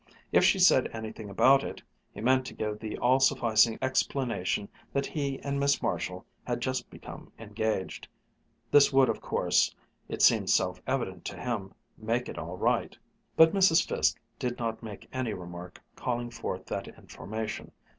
If she said anything about it, he meant to give the all sufficing explanation that he and Miss Marshall had just become engaged. This would of course, it seemed self evident to him, make it all right. But Mrs. Fiske did not make any remark calling forth that information.